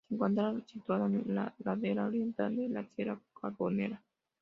Se encuentra situada en la ladera oriental de Sierra Carbonera.